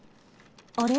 あれ？